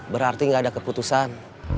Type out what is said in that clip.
berarti gak ada keputusan